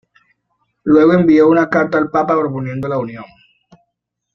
Luego envió una carta al papa proponiendo la unión.